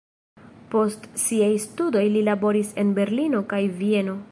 Post siaj studoj li laboris en Berlino kaj Vieno.